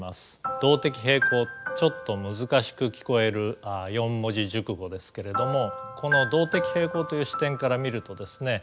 動的平衡ちょっと難しく聞こえる四文字熟語ですけれどもこの動的平衡という視点から見るとですね